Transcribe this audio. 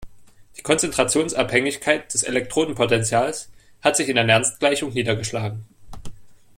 Die Konzentrationsabhängigkeit des Elektrodenpotentials hat sich in der Nernst-Gleichung niedergeschlagen.